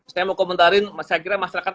saya mau komentarin saya kira masyarakat